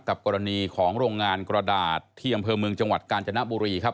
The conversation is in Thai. กรณีของโรงงานกระดาษที่อำเภอเมืองจังหวัดกาญจนบุรีครับ